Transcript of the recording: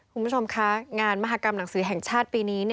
คุณผู้ชมคะงานมหากรรมหนังสือแห่งชาติปีนี้